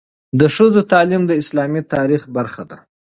د ښځو تعلیم د اسلامي تاریخ برخه ده.